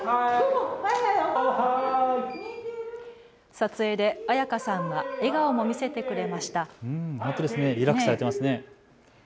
撮影で彩花さんは笑顔も見せてくれました。